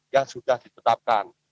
yang sudah ditetapkan